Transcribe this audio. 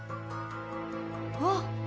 「あっ！